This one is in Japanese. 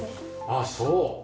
ああそう。